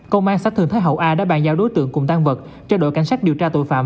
công an xã thường thái hậu a đã bàn giao đối tượng cùng tan vật cho đội cảnh sát điều tra tội phạm